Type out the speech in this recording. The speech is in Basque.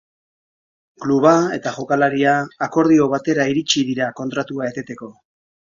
Kluba eta jokalaria akordio batera iritsi dira kontratua eteteko.